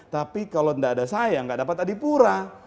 tapi kalau enggak ada saya yang enggak dapat adipura